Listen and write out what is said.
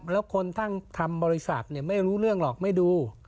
แล้วคนทั้งทำบริษัทไม่รู้เรื่องหรอกไม่ดู